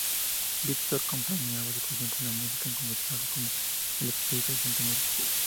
Víctor compaginaba su pasión por la música con su trabajo como electricista y fontanero.